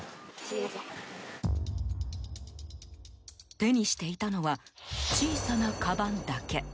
手にしていたのは小さなかばんだけ。